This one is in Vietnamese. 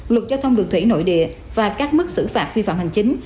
luật giao thông đường thủy nội địa và các mức xử phạt phi phạm hành chính